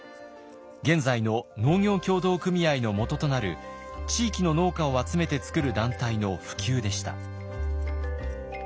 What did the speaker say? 現在の農業協同組合の基となる地域の農家を集めて作る団体の普及でした。